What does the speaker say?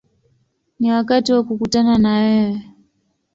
Ni wakati wa kukutana na wewe”.